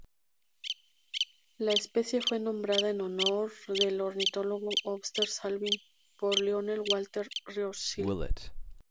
La especie fue nombrada en honor del ornitólogo Osbert Salvin por Lionel Walter Rothschild.